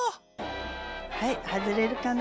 はい外れるかな？